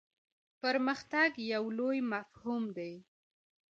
پرمختګ یو لوی مفهوم دی.